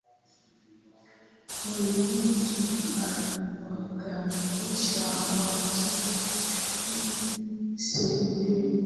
Mwenyeji aliwakaribisha wageni sebuleni